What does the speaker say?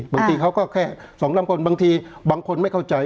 บางทีเขาก็แค่๒ลำคนบางทีบางคนไม่เข้าใจ